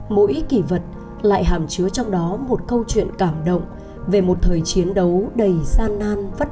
mỗi kỳ vật lại hàm chứa trong đó một câu chuyện cảm động về một thời chiến đấu đầy gian nan vất vả